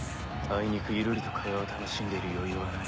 あいにくゆるりと会話を楽しんでいる余裕はない。